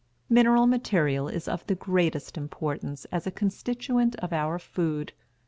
Mineral material is of the greatest importance as a constituent of our food.